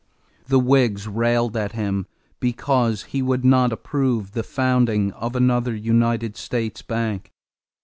The Whigs railed at him because he would not approve the founding of another United States Bank.